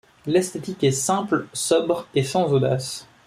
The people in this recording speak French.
L'esthétique est simple, sobre et sans audace.